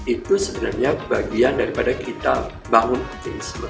itu sebenarnya bagian daripada kita bangun optimisme